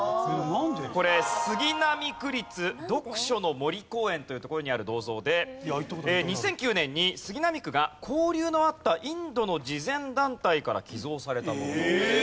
これ杉並区立読書の森公園という所にある銅像で２００９年に杉並区が交流のあったインドの慈善団体から寄贈されたものだそうです。